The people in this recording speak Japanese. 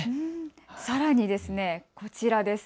さらに、こちらです。